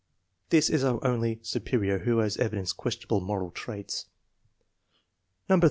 This is our only superior who has evi denced questionable moral traits. No. 34.